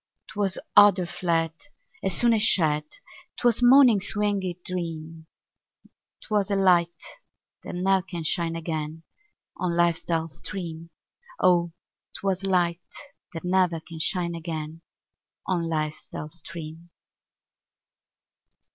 'Twas odor fled As soon as shed; 'Twas morning's winged dream; 'Twas a light, that ne'er can shine again On life's dull stream: Oh! 'twas light that ne'er can shine again On life's dull stream.